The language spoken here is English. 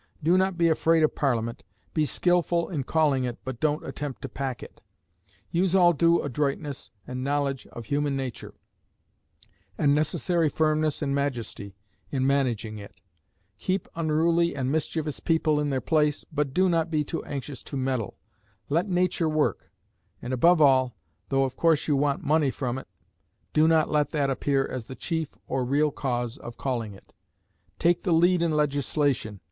Do not be afraid of Parliament. Be skilful in calling it, but don't attempt to "pack" it. Use all due adroitness and knowledge of human nature, and necessary firmness and majesty, in managing it; keep unruly and mischievous people in their place, but do not be too anxious to meddle "let nature work;" and above all, though of course you want money from it, do not let that appear as the chief or real cause of calling it. Take the lead in legislation.